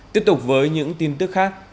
tiếp tục với những tin tức khác